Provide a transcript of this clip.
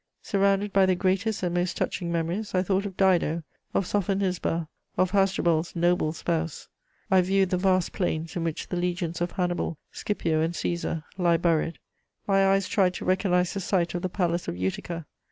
Surrounded by the greatest and most touching memories, I thought of Dido, of Sophonisba, of Hasdrubal's noble spouse; I viewed the vast plains in which the legions of Hannibal, Scipio, and Cæsar lie buried; my eyes tried to recognise the site of the Palace of Utica.